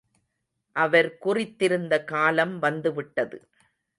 அவர் குறித்திருந்த காலம் வந்துவிட்டது.